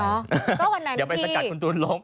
ก็วันนั้นเดี๋ยวไปสกัดคุณตูนล้ม